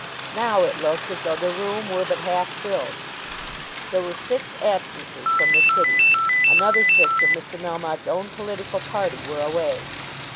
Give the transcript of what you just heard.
Now it looked as though the room were but half filled. There were six absences from the City. Another six of Mr. Melmotte's own political party were away.